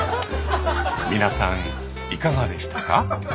皆さんいかがでしたか？